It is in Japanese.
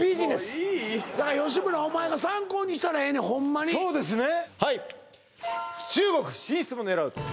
・もういい吉村お前が参考にしたらええねんホンマにそうですね